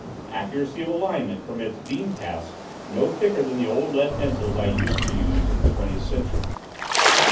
Accuracy of alignment permits beam paths no thicker than the old lead pencils I used to use in the Twentieth Century.